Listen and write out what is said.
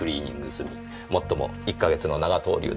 もっとも１か月の長逗留です。